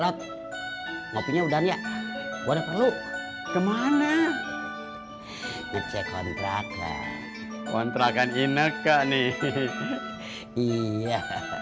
rap ngopinya udhanya gue perlu kemana ngecek kontrakan kontrakan inek kak nih iya